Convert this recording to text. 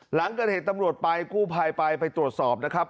หลังเกิดเหตุตำรวจไปกู้ภัยไปไปตรวจสอบนะครับ